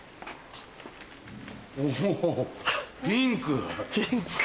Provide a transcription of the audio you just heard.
おぉピンク。